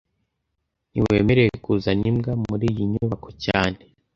Ntiwemerewe kuzana imbwa muriyi nyubako cyane